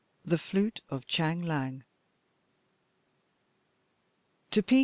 THE FLUTE OF CHANG LIANG To P.